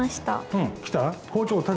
うん来た？